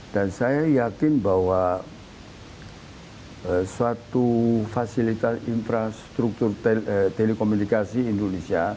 dan saya yakin bahwa suatu fasilitas infrastruktur telekomunikasi indonesia